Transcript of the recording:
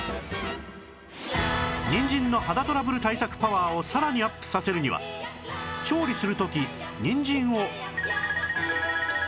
にんじんの肌トラブル対策パワーをさらにアップさせるには調理する時にんじんを使う